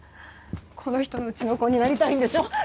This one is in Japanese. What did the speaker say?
この人のうちの子になりたいんでしょ？